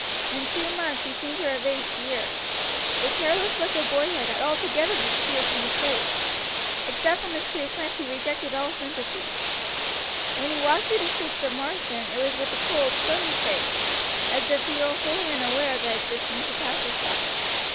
In two months he seemed to have aged years. The careless look of boyhood had altogether disappeared from his face. Except from his two friends he rejected all sympathy. When he walked through the streets of Marsden it was with a cold, stony face, as if he were wholly unaware of the existence of passersby.